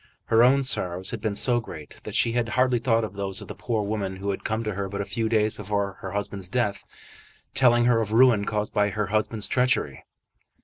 Her own sorrows had been so great that she had hardly thought of those of the poor woman who had come to her but a few days before her husband's death, telling her of ruin caused by her husband's treachery.